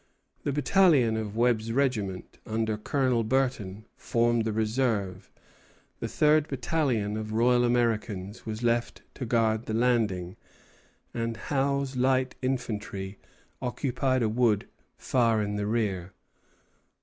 The battalion of Webb's regiment, under Colonel Burton, formed the reserve; the third battalion of Royal Americans was left to guard the landing; and Howe's light infantry occupied a wood far in the rear.